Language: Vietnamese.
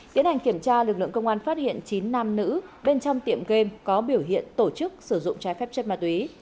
tiến hành kiểm tra lực lượng công an phát hiện chín nam nữ bên trong tiệm game có biểu hiện tổ chức sử dụng trái phép chất ma túy